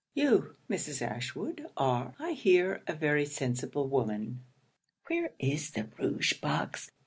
You, Mrs. Ashwood, are, I hear, a very sensible woman [_where is the rouge box?